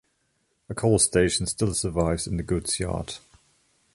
A coal station still survives in the goods yard.